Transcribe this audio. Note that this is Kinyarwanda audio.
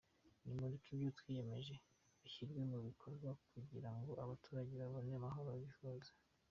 Nimureke ibyo twiyemeje bishyirwe mu bikorwa kugira ngo abaturage babone amahoro bifuza.